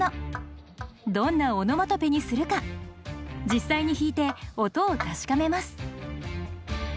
どんなオノマトペにするか実際に弾いて音を確かめます。